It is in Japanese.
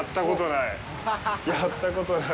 やったことない。